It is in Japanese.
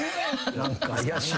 何か怪しい。